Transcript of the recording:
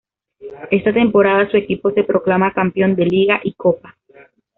Esa temporada su equipo se proclama campeón de Liga y Copa.